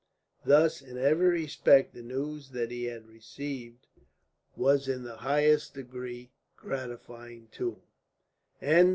Thus, in every respect, the news that he had received was in the highest degree gratifying to him.